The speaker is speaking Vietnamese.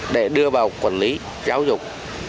để đưa vào quản lý giáo dục